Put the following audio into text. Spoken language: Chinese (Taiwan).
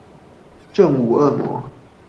正午惡魔